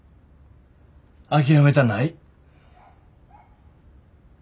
諦めたない。